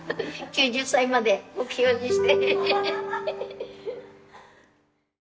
９０歳まで目標にして。